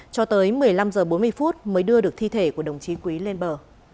cho tới một mươi năm h bốn mươi mới đưa được thi thể của đồng chí quý lên bờ